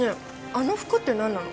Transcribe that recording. あの服ってなんなの？